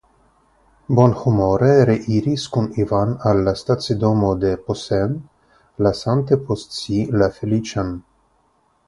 Bonhumore reiris kun Ivan al la stacidomo de Posen, lasante post si la feliĉan.